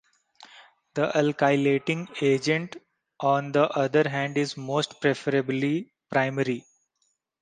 The alkylating agent, on the other hand is most preferably primary.